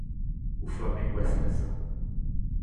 O Flamengo é seleção